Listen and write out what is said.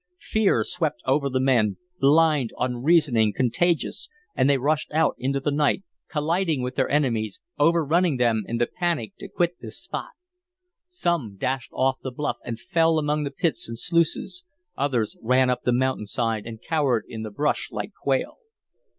Fear swept over the men blind, unreasoning, contagious and they rushed out into the night, colliding with their enemies, overrunning them in the panic to quit this spot. Some dashed off the bluff and fell among the pits and sluices. Others ran up the mountain side, and cowered in the brush like quail.